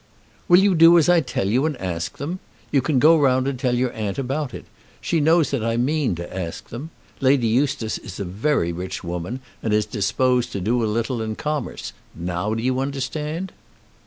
"Will you do as I tell you, and ask them? You can go round and tell your aunt about it. She knows that I mean to ask them. Lady Eustace is a very rich woman, and is disposed to do a little in commerce. Now do you understand?"